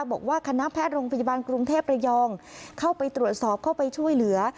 บอกว่าคณะแพทย์โรงพยาบาลกรุงเทพระยองเข้าไปตรวจสอบเข้าไปช่วยเหลือ